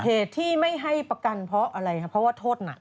เหตุที่ไม่ให้ประกันเพราะอะไรครับเพราะว่าโทษหนัก